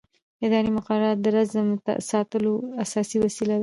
اداري مقررات د نظم ساتلو اساسي وسیله ده.